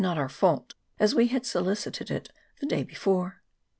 327 not our fault, as we had solicited it the day before.